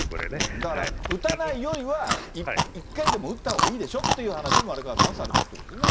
だから打たないよりは１回でも打ったほうがいいでしょっていう話を丸川さんはされているっていうことですよね。